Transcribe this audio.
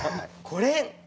これ？